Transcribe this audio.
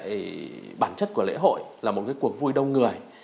thì bản chất của lễ hội là một cái cuộc vui đông người